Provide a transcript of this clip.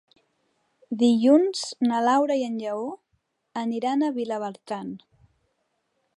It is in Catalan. Dilluns na Laura i en Lleó aniran a Vilabertran.